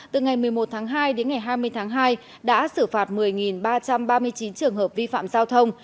từ ngày một mươi một tháng hai đến ngày hai mươi tháng hai đã xử phạt một mươi ba trăm ba mươi chín trường hợp vi phạm giao thông